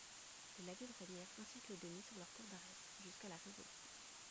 Les Laville régnèrent un siècle et demi sur leurs terres d’Arès jusqu’à la Révolution.